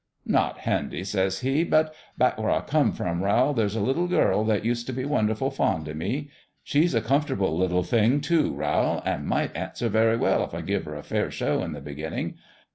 "' Not handy,' says he ;' but back where I come from, Rowl, there's a little girl that used t' be wonderful fond o' me. She's a comfortable little thing, too, Rowl, an' might answer very well, if I give her a fair show in the beginning.